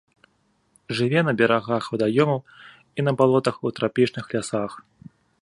Жыве на берагах вадаёмаў і на балотах у трапічных лясах.